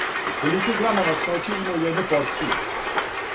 Колико грама масноће има у једној порцији?